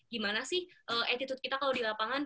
gimana sih attitude kita kalau di lapangan